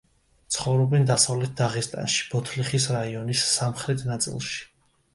ცხოვრობენ დასავლეთ დაღესტანში, ბოთლიხის რაიონის სამხრეთ ნაწილში.